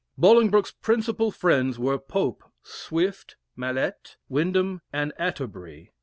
Bolingbroke's principal friends were Pope, Swift, Mallet, Wyndam, and Atterbury.